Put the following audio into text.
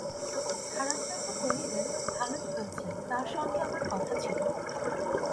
হারানবাবু কহিলেন, ভালোই হয়েছে তাঁর সঙ্গে আমার কথা ছিল।